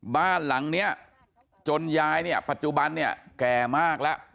บ้านหลังนี้จนยายเนี่ยปัจจุบันเนี่ยแก่มากแล้ว